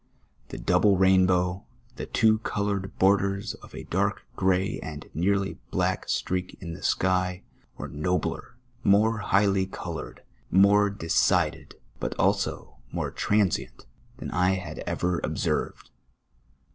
The double rainbow, the two colom'cd borders of a dark f^rey and nearly black streak in the sky, were nobler, more hi|j;hly coloured, more decided, but also more transient, than I had ever observed.